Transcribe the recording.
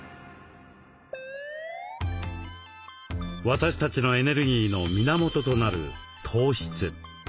私たちのエネルギーの源となる糖質。